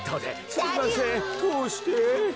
すいませんとおして。